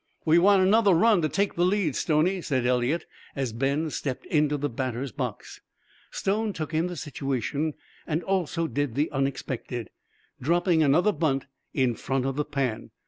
"We want another run to take the lead, Stoney," said Eliot as Ben stepped into the batter's box. Stone took in the situation and also did the unexpected, dropping another bunt in front of the pan.